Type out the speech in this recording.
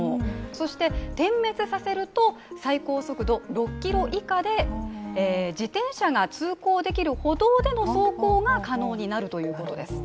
そして、点滅させると最高速度６キロ以下で自転車が通行できる歩道での走行が可能になるということです。